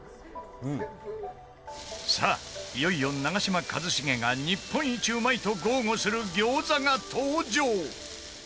さあ、いよいよ長嶋一茂が日本一と豪語する餃子が登場